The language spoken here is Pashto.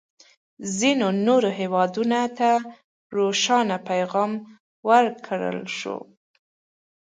ځینو نورو هېوادونه ته روښانه پیغام ورکړل شو.